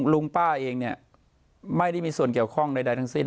ลุงป้าเองเนี่ยไม่ได้มีส่วนเกี่ยวข้องใดทั้งสิ้น